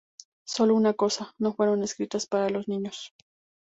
Solo una cosa, no fueron escritas para los niños.